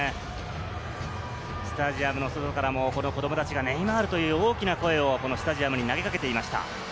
スタジアムの外からも子供たちが「ネイマール！」という大きな声をスタジアムに投げかけていました。